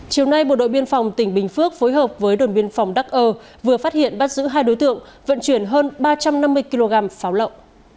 chiều nay bộ đội biên phòng tỉnh bình phước phối hợp với đồn biên phòng đắc ơ vừa phát hiện bắt giữ hai đối tượng vận chuyển hơn ba trăm năm mươi kg pháo lậu